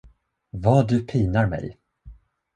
Vad du pinar mig!